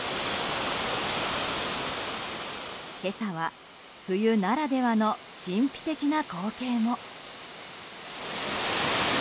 今朝は、冬ならではの神秘的な光景も。